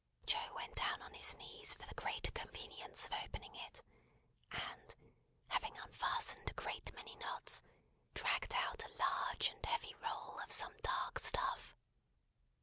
Joe went down on his knees for the greater convenience of opening it, and having unfastened a great many knots, dragged out a large and heavy roll of some dark stuff.